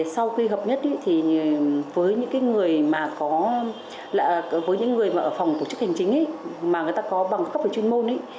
sau khi gặp nhất với những người ở phòng tổ chức hành chính mà người ta có bằng cấp về chuyên môn